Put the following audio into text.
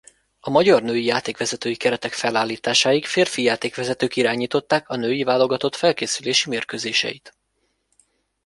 A magyar női játékvezetői keretek felállításáig férfi játékvezetők irányították a női válogatott felkészülési mérkőzéseit.